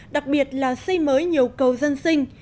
đặc biệt là xây mới nhiều cầu dân sinh